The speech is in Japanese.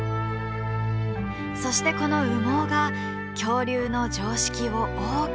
そしてこの羽毛が恐竜の常識を大きく変えた。